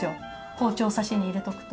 包丁差しに入れとくと。